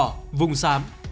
hùng đỏ vùng xám